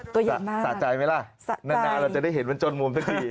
ตัวใหญ่มากสะใจไหมล่ะนานเราจะได้เห็นมันจนมุมสักที